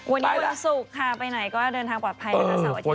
วันนี้วันศุกร์ค่ะไปหน่อยก็เดินทางปลอดภัยนะคะ